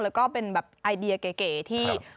แล้วก็เป็นแบบไอเดียเก๋ที่